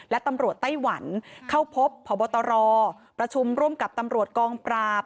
และตำรวจไต้หวันเข้าพบพบตรประชุมร่วมกับตำรวจกองปราบ